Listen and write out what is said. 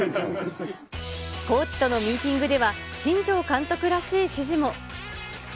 コーチとのミーティングでは、新庄監督らしい指示も。